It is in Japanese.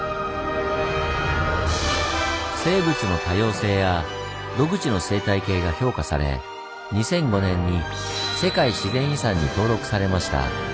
「生物の多様性」や「独自の生態系」が評価され２００５年に世界自然遺産に登録されました。